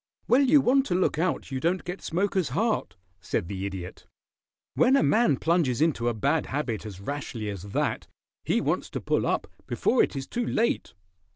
"Well, you want to look out you don't get smoker's heart," said the Idiot. "When a man plunges into a bad habit as rashly as that, he wants to pull up before it is too late."